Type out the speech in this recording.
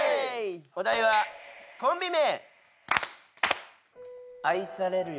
お題はコンビ名！